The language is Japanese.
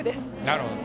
なるほど。